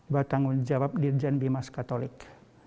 bertanggung jawab dirjen bimas katolik